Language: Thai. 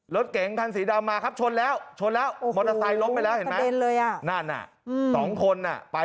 รถเก๋งคันสีดำมาครับชนแล้วมอเตอร์ไซน์ล้มไปแล้วตั้งคนน่ะ